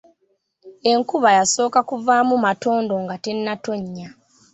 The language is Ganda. Enkuba y’asooka kuvaamu matondo nga tennatonnya.